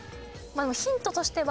でもヒントとしては。